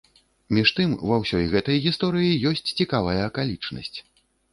Між тым, ва ўсёй гэтай гісторыі ёсць цікавая акалічнасць.